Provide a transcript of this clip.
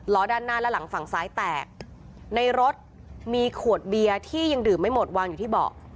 ด้านหน้าและหลังฝั่งซ้ายแตกในรถมีขวดเบียร์ที่ยังดื่มไม่หมดวางอยู่ที่เบาะ